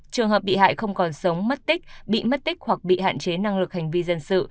trường hợp bị hại không còn sống mất tích bị mất tích hoặc bị hạn chế năng lực hành vi dân sự